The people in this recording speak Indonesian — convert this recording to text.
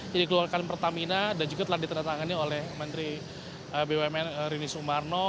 yang dikeluarkan pertamina dan juga telah ditandatangani oleh menteri bumn rini sumarno